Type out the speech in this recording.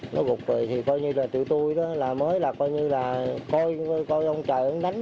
nó gục vơi thì coi như là tụi tôi đó là mới là coi như là coi ông trợ ứng đánh